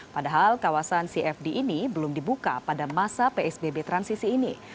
padahal kawasan cfd ini belum dibuka pada masa psbb transisi ini